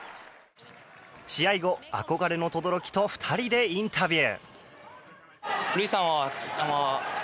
試合後、憧れの轟と２人でインタビュー。